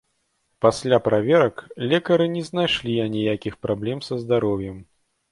Пасля праверак, лекары не знайшлі аніякіх праблем са здароўем.